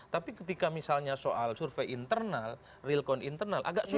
tapi ketika misalnya soal survei internal real count internal agak sulit